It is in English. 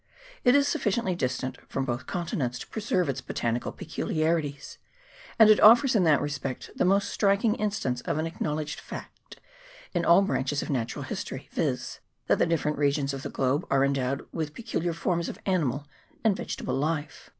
It is sufficently distant from both continents to preserve its botanical pecu liarities, and it offers in that respect the most striking instance of an acknowledged fact in all branches of natural history, viz. that the different regions of the globe are endowed with peculiar forms of animal and vegetable life.